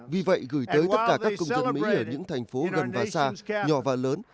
vì vậy gửi tới tất cả các công dân mỹ ở những thành phố gần và xa nhỏ và lớn